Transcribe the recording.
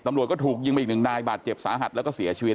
ตำรวจก็ถูกยิงไปอีกหนึ่งนายบาดเจ็บสาหัสแล้วก็เสียชีวิต